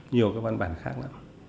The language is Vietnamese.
nhiều cái văn bản khác lắm